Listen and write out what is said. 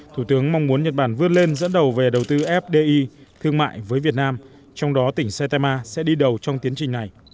thủ tướng mong muốn nhật bản vươn lên dẫn đầu về đầu tư fdi thương mại với việt nam trong đó tỉnh saitama sẽ đi đầu trong tiến trình này